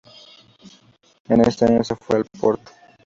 En ese año se fue al Porto.